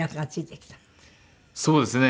そうですね。